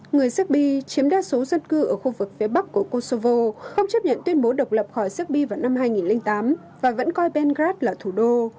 người serbi chiếm đa số dân cư ở khu vực phía bắc của kosovo không chấp nhận tuyên bố độc lập khỏi serbia vào năm hai nghìn tám và vẫn coi bengas là thủ đô